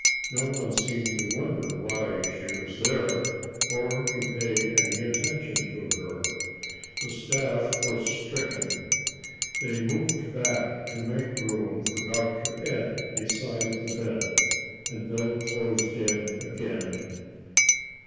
No one seemed to wonder why she was there, or to pay any attention to her. The staff was stricken. They moved back to make room for Dr. Ed beside the bed, and then closed in again.